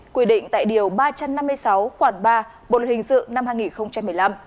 quy định tại điều ba trăm năm mươi sáu khoảng ba bộ luật hình sự năm hai nghìn một mươi năm